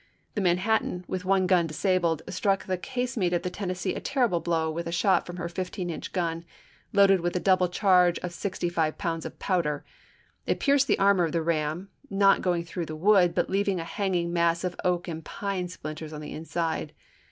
The Manhattan, with one gun disabled, struck the casemate of the Tennessee a terrible blow with a shot from her 15 inch gun, loaded with a double charge of sixty five pounds of powder ; it pierced the armor of the ram, not going through the wood, but leaving a hanging mass of oak and pine splinters on the inside.